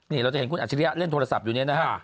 นี่เราจะเห็นคุณอัจฉริยะเล่นโทรศัพท์อยู่เนี่ยนะฮะ